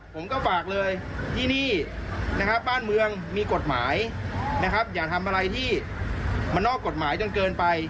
ผมก็ฝากเลยที่นี่บ้านเมืองมีกฎหมายอย่าทำอะไรที่มนอกกฎหมายจนเกินไป